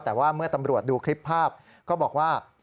แต่ว่าเมื่อตำรวจดูคลิปภาพก็บอกว่า